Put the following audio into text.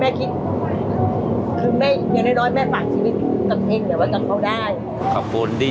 แม่ฝันชีวิตกับเคนเหเหมือนกับเขาได้